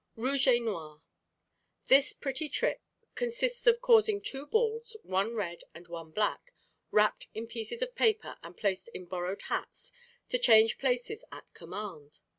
Rouge et Noir.—This pretty trick consists of causing two balls, one red and one black, wrapped in pieces of paper and placed in borrowed hats, to change places at command.